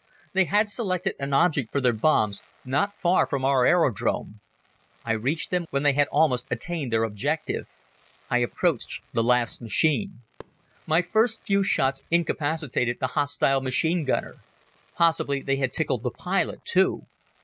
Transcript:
They had selected an object for their bombs not far from our aerodrome. I reached them when they had almost attained their objective. I approached the last machine. My first few shots incapacitated the hostile machine gunner. Possibly they had tickled the pilot, too.